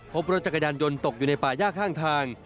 พบรถจักรยานยนต์ตกอยู่ในป่าย่าข้างทาง